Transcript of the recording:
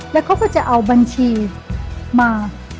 แล้วเขาก็จะเอาบัญชีมา